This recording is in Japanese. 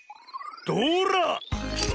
どら！